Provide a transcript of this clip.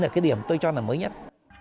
đó là cái điểm tôi cho là mới nhất